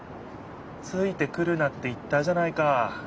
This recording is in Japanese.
「ついてくるな」って言ったじゃないか。